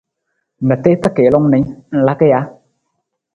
Na tiita kiilung ni, ng laka ja?